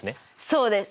そうです。